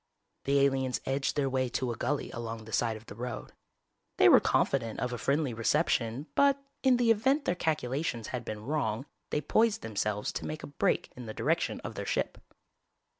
The aliens edged their way to a gulley along the side of the road. They were confident of a friendly reception but, in the event their calculations had been wrong, they poised themselves to make a break in the direction of their ship.